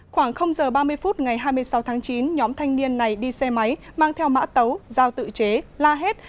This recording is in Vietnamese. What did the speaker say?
khoảng giờ ba mươi phút ngày hai mươi sáu tháng chín nhóm thanh niên này đi xe máy mang theo mã tấu dao tự chế la hét